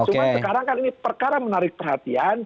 cuma sekarang kan ini perkara menarik perhatian